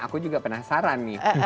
aku juga penasaran nih